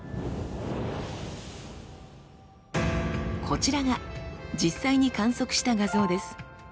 こちらが実際に観測した画像です。